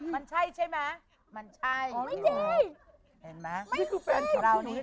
มันใช่ใช่มั้ยมันใช่